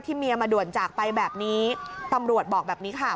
เมียมาด่วนจากไปแบบนี้ตำรวจบอกแบบนี้ค่ะ